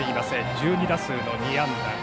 １２打数の２安打。